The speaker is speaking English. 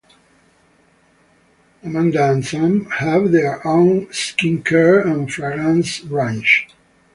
Amanda and Sam have their own skincare and fragrance range.